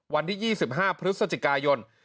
วันที่๒๕พรุษสจิกายล